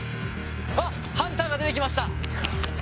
あ、ハンターが出てきました！